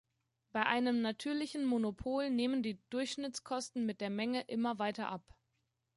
Bei einem natürlichen Monopol nehmen die Durchschnittskosten mit der Menge immer weiter ab.